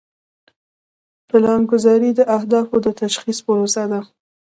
پلانګذاري د اهدافو د تشخیص پروسه ده.